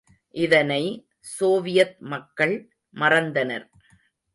இதனை, சோவியத் மக்கள் மறந்தனர்.